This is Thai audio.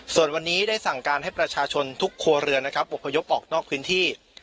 ส่วนวันนี้ได้สั่งการให้ประชาชนทุกครัวเรือนนะครับอบพยพออกนอกพื้นที่